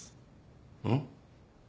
うん。